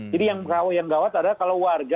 jadi yang gawat adalah kalau warga